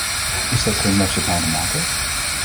Is dat geen mosterd na de maaltijd?